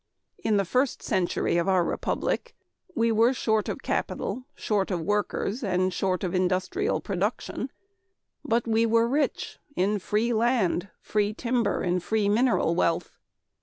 In the first century of our republic we were short of capital, short of workers and short of industrial production; but we were rich in free land, free timber and free mineral wealth.